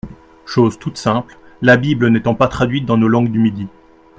Chose toute simple, la Bible n'étant pas traduite dans nos langues du Midi.